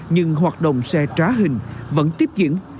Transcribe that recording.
nhưng hoạt động xe trá hình vẫn tiếp diễn